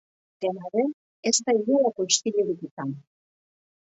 Dena den, ez da inolako istilurik izan.